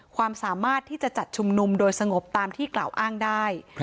ความสามารถที่จะจัดชุมนุมโดยสงบตามที่กล่าวอ้างได้